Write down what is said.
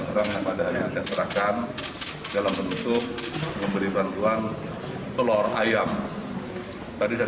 membuat tangan terang pada yang diserahkan dalam bentuk memberi bantuan telur ayam tadi saya